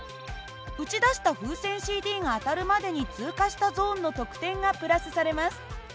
撃ち出した風船ＣＤが当たるまでに通過したゾーンの得点がプラスされます。